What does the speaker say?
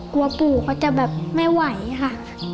ปู่เขาจะแบบไม่ไหวค่ะ